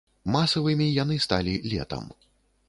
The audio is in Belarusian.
Масавымі яны сталі летам.